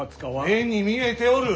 目に見えておる！